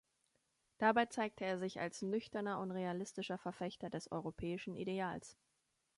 Dabei zeigte er sich als nüchterner und realistischer Verfechter des europäischen Ideals.